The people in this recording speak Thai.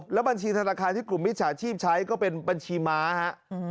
แล้วบัญชีธนาคารที่กลุ่มมิจฉาชีพใช้ก็เป็นบัญชีม้าฮะ